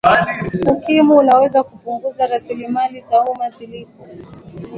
ukimwi unaweza kupunguza raslimali za umma zilizopo